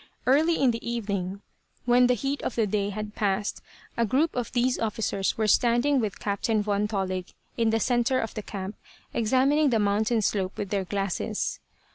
Early in the evening, when the heat of the day had passed, a group of these officers were standing with Captain Von Tollig in the center of the camp, examining the mountain slope with their glasses.